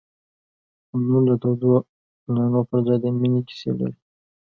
تنور د تودو نانو پر ځای د مینې کیسې لري